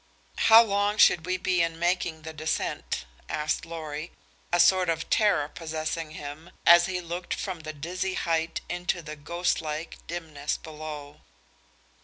"How long should we be in making the descent?" asked Lorry, a sort of terror possessing him as he looked from the dizzy height into the ghost like dimness below.